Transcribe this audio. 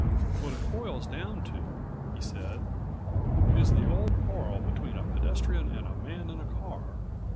"What it boils down to," he said, "is the old quarrel between a pedestrian and a man in a car.